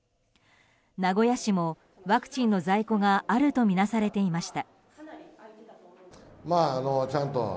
名古屋市もワクチンの在庫があるとみなされていました。